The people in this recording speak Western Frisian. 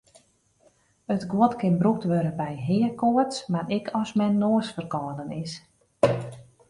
It guod kin brûkt wurde by heakoarts mar ek as men noasferkâlden is.